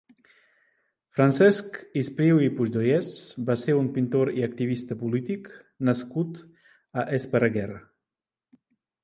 Francesc Espriu i Puigdollers va ser un pintor i activista polític nascut a Esparreguera.